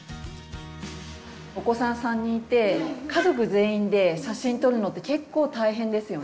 お子さん３人いて家族全員で写真撮るのって結構大変ですよね。